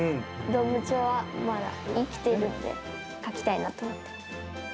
動物はまだ生きてるんで、描きたいなと思って。